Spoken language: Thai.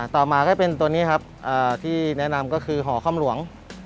ต่อมาก็เป็นตัวนี้ครับที่แนะนำก็คือหอค่ำหลวง